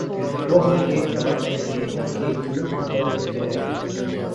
وہ ہر ایک بات پہ کہنا کہ یوں ہوتا تو کیا ہوتا